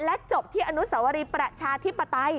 และจบที่อนุสวรีประชาธิปไตย